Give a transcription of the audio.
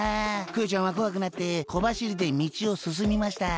クヨちゃんはこわくなってこばしりでみちをすすみました。